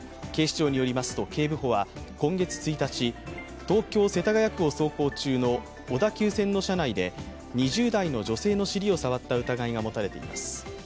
警視庁によりますと警部補は今月１日、東京・世田谷区を走行中の小田急線の車内で２０代の女性の尻を触った疑いが持たれています。